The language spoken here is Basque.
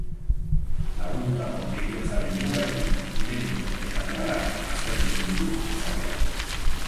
Lagundutako heriotzaren muga etiko, mediko eta legalak aztertuko ditu saioak.